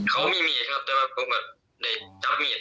เขามีเห็นครับเดี๋ยวผมก็ได้กำลักสับเห็น